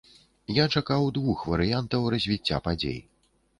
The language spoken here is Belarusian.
Я чакаў двух варыянтаў развіцця падзей.